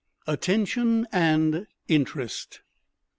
ATTENTION AND INTEREST.